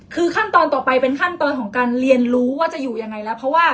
คือขั้นตอนต่อไปเป็นขั้นตอนของการเรียนรู้ว่าจะอยู่ยังไงแล้วเพราะว่า